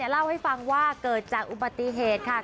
ลาวให้ฟังว่าเกิดจากอุปฏิเกตค่ะ